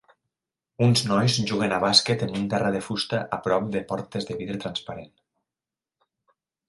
Uns nois juguen a bàsquet en un terra de fusta a prop de portes de vidre transparent.